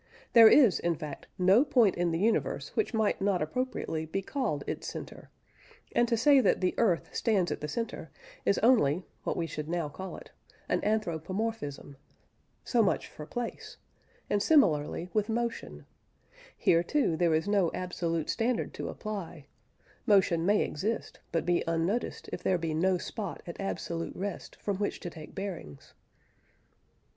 There is, in fact, no point in the universe which might not appropriately be called its centre, and to say that the earth stands at the centre is only (what we should now call it) an anthropomorphism. So much for place; and similarly with motion. Here, too, there is no absolute standard to apply: motion may exist, but be unnoticed if there be no spot at absolute rest from which to take bearings.